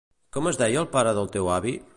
Com es deia el pare del teu avi?